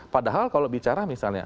padahal kalau bicara misalnya